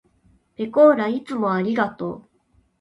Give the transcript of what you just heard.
ぺこーらいつもありがとう。